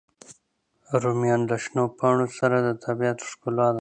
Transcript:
رومیان له شنو پاڼو سره د طبیعت ښکلا ده